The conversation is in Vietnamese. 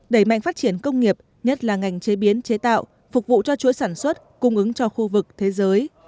đẩy mạnh phát triển công nghiệp nhất là ngành chế biến chế tạo phục vụ cho chuỗi sản xuất cung ứng cho khu vực thế giới